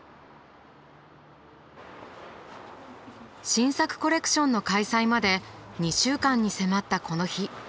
新作コレクションの開催まで２週間に迫ったこの日。